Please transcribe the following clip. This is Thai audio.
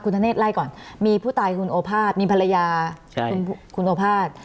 ธเนธไล่ก่อนมีผู้ตายคุณโอภาษมีภรรยาคุณโอภาษย์